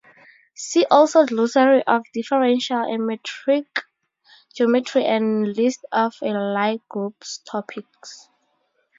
See also glossary of differential and metric geometry and list of Lie group topics.